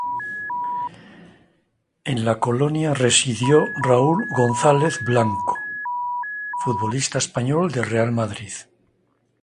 En la Colonia residió Raúl González Blanco, futbolista español del Real Madrid.